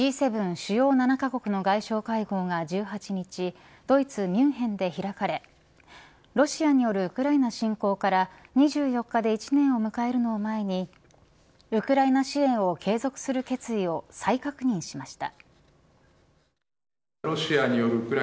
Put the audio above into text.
主要７カ国の外相会合が１８日ドイツ、ミュンヘンで開かれロシアによるウクライナ侵攻から２４日で１年を迎えるのを前にウクライナ支援を継続する決意を再確認しました。